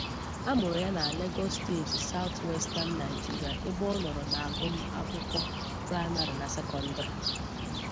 A mụrụ ya na Lagos State, Southwestern Naijiria, ebe ọnọrọ na-agum-akwụkwụ primari na sekọndiri.